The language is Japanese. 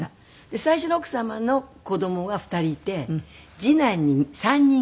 最初の奥様の子供が２人いて次男に３人子供がいて。